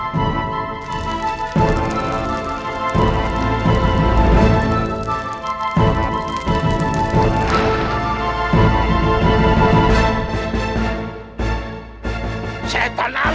mudah rubah jalan